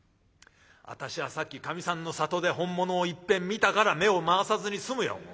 私はさっきかみさんの里で本物をいっぺん見たから目を回さずに済むよ